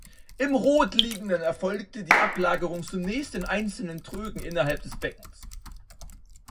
Im Rotliegenden erfolgte die Ablagerung zunächst in einzelnen Trögen innerhalb des Beckens.